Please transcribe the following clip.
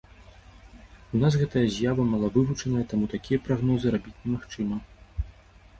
У нас гэтая з'ява малавывучаная, таму такія прагнозы рабіць немагчыма.